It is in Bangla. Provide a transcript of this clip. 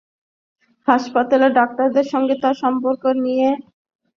হাসপাতালের ডাক্তারদের সঙ্গে তার সম্পর্ক নিয়ে মনগড়া আজেবাজে কথা বলে বেড়াত লোকজন।